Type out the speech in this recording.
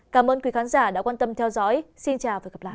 cảm ơn quý khán giả đã quan tâm theo dõi xin chào và hẹn gặp lại